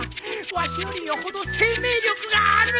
わしよりよほど生命力がある